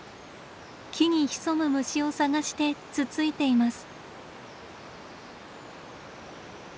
木に潜む虫を探してつついています。